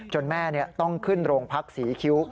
แม่ต้องขึ้นโรงพักศรีคิ้ว